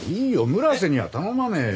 村瀬には頼まねえよ！